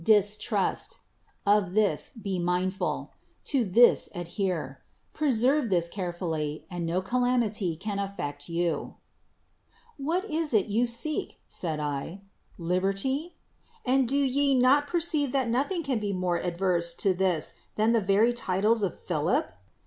Distrust. Of this be mindful : to this adhere : preserve this carefully, and no calamity can affect you." —'' What is it you seek ?'' said I. '' Liberty ? x\nd do ye not perceive that nothing can be more adverse to this than the very titles of Philip?